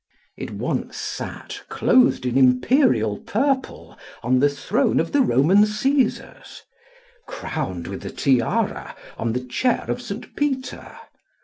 It once sat, clothed in Imperial purple, on the throne of the Roman Caesars, crowned with the tiara on the chair of St. Peter.